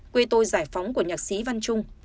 quê tôi giải phóng của nhạc sĩ văn trung